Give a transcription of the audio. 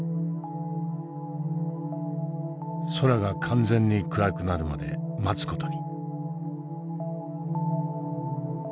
空が完全に暗くなるまで待つ事に。